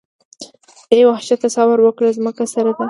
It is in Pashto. اې وحشته صبر وکړه ځمکه سره ده.